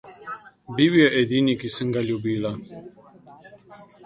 Bil je edini, ki sem ga ljubila.